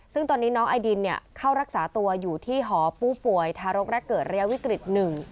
ซึ่งตอนนี้น้องไอดินเข้ารักษาตัวอยู่ที่หอผู้ป่วยทารกและเกิดระยะวิกฤต๑